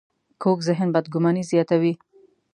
کوږ ذهن بدګماني زیاتوي